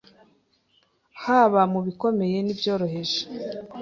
haba mu bikomeye n’ibyoroheje.